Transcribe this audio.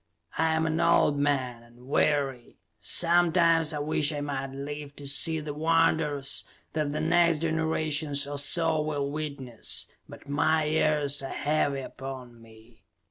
I am an old man, and weary. Sometimes I wish I might live to see the wonders that the next generation or so will witness, but my years are heavy upon me.